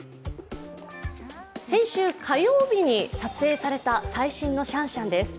先週火曜日に撮影された最新のシャンシャンです。